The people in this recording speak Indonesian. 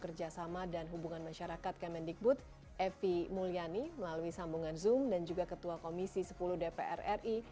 kita sama sama panami bahwa di kasus pandemi ini